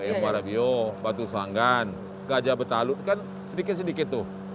eh muarabiyo batu sanggan gajah betalut kan sedikit sedikit tuk